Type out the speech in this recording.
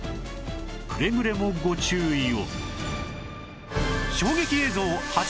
くれぐれもご注意を